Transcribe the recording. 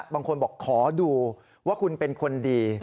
บางคนบอกขอดูว่าคุณเป็นคนดี